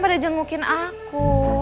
pada jengukin aku